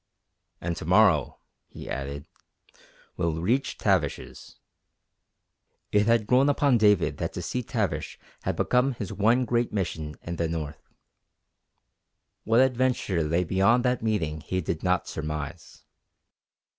"And to morrow," he added, "we'll reach Tavish's." It had grown upon David that to see Tavish had become his one great mission in the North. What adventure lay beyond that meeting he did not surmise.